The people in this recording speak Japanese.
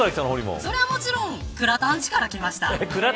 そりゃ、もちろん倉田んちから来ました。